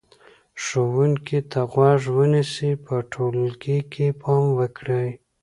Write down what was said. ښوونکي ته غوږ ونیسئ، په ټولګي کې پام وکړئ،